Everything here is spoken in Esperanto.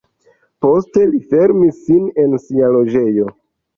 Proteste li fermis sin en sia loĝejo.